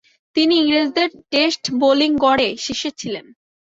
তিনি ইংরেজদের test bowling গড়ে শীর্ষে ছিলেন।